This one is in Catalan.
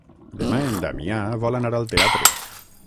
Demà en Damià vol anar al teatre.